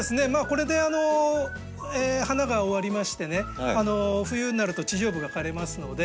これで花が終わりましてね冬になると地上部が枯れますので。